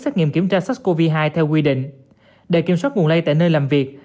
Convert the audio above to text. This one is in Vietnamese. xét nghiệm kiểm tra sars cov hai theo quy định để kiểm soát nguồn lây tại nơi làm việc